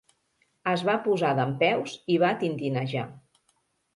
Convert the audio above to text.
Es va posar dempeus i va tentinejar.